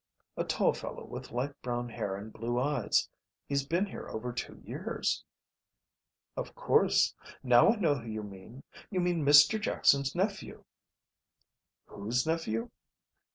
A tall fellow with light brown hair and blue eyes. He's been here over two years." "Of course. Now I know who you mean. You mean Mr Jackson's nephew." "Whose nephew?"